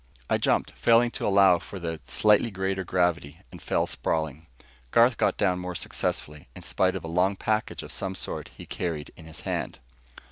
I jumped, failing to allow for the slightly greater gravity, and fell sprawling. Garth got down more successfully, in spite of a long package of some sort he carried in his hand.